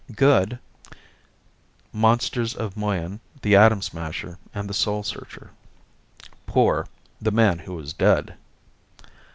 Good "Monsters of Moyen," "The Atom Smasher" and "The Soul Searcher." Poor "The Man Who Was Dead."